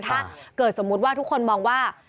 ถ้าเกิดสมมุติว่าทุกคนมองว่า